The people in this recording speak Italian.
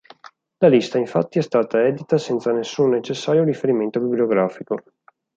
La lista, infatti, è stata edita senza nessun necessario riferimento bibliografico.